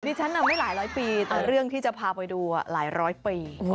ฉันไม่หลายร้อยปีแต่เรื่องที่จะพาไปดูหลายร้อยปี